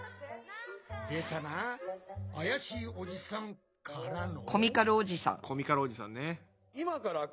出たな怪しいおじさん！からの。